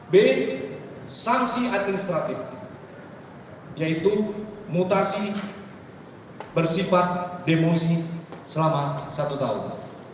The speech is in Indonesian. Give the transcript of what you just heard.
b sanksi administratif yaitu mutasi bersifat demosi selama satu tahun